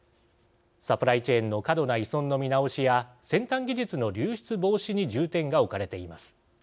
サプライチェーンの過度な依存の見直しや先端技術の流出防止に重点が置かれています。